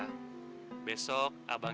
besok abang gita akan datang ke rumahmu ya